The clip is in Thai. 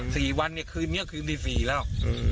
ถึงคืนนี้ก็คืนนี้๔แล้ว